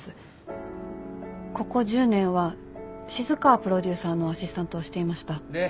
ここ１０年は静川プロデューサーのアシスタントをしていました。